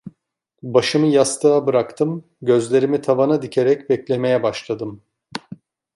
Başımı yastığa bıraktım, gözlerimi tavana dikerek beklemeye başladım.